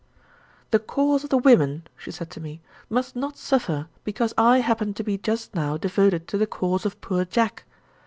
"The cause of the women," she said to me, "must not suffer because I happen to be just now devoted to the cause of poor Jack.